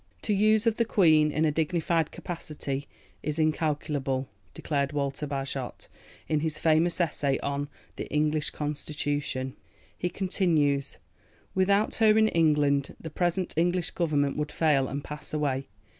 "The use of the Queen in a dignified capacity is incalculable," declared Walter Bagehot in his famous essay on The English Constitution. He continues: "Without her in England, the present English Government would fail and pass away."